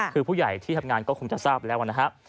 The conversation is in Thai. คือผู้ใหญ่ที่ทำงานก็คงจะทราบแล้วนะครับ